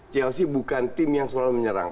chelsea bukan tim yang selalu menyerang